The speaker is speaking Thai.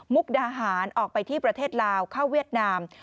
ดาหารออกไปที่ประเทศลาวเข้าเวียดนาม